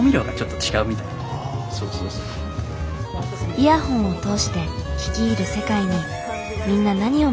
イヤホンを通して聴き入る世界にみんな何を求めているんだろう。